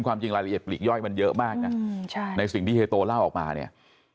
ความจริงรายละเอียดปลีกย่อยมันเยอะมากนะในสิ่งที่เฮโตเล่าออกมาเนี่ย